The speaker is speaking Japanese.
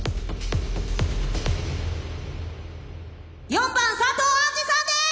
・４番佐藤杏莉さんです！